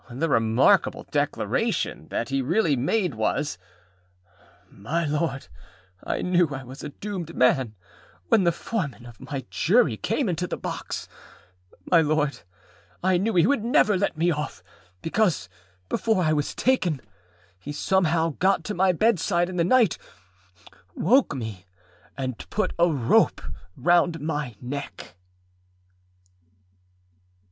â The remarkable declaration that he really made was this: â_My Lord_, I knew I was a doomed man, when the Foreman of my Jury came into the box. My Lord, I knew he would never let me off, because, before I was taken, he somehow got to my bedside in the night, woke me, and put a rope round my neck.